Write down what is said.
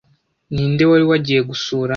Ninde wari wagiye gusura